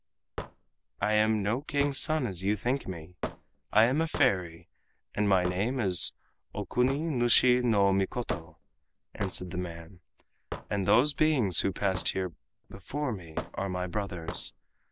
"I am no King's son as you think me. I am a fairy, and my name is Okuni nushi no Mikoto," answered the man, "and those beings who passed here before me are my brothers.